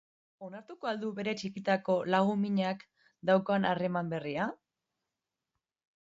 Onartuko al du bere txikitako lagun-minak daukan harreman berria?